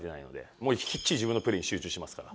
もうきっちり自分のプレーに集中しますから。